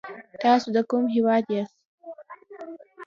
تاسو د کوم هېواد یاست ؟